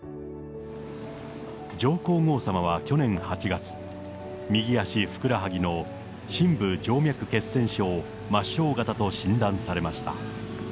上皇后さまは去年８月、右足ふくらはぎの深部静脈血栓症・末しょう型と診断されました。